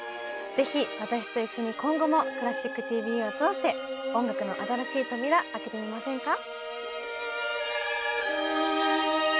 ぜひ私と一緒に今後も「クラシックＴＶ」を通して音楽の新しい扉開けてみませんか？